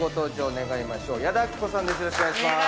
お願いしまーす。